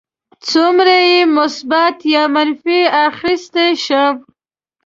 څومره یې مثبت یا منفي واخیستی شم.